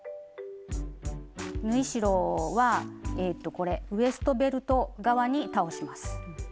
縫い代はえっとこれウエストベルト側に倒します。